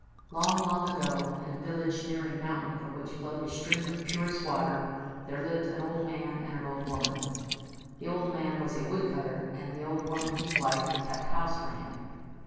Long, long ago, in a village near a mountain from which flowed a stream of purest water, there lived an old man and an old woman. The old man was a woodcutter, and the old woman, his wife, kept house for him.